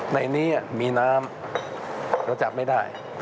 ในนี้มีน้ำเราจับไม่ได้